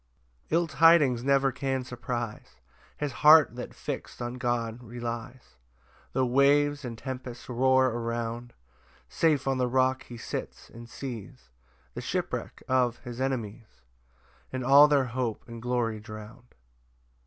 5 [Ill tidings never can surprise His heart that fix'd on God relies, Tho' waves and tempests roar around: Safe on the rock he sits, and sees The shipwreck of his enemies, And all their hope and glory drown'd.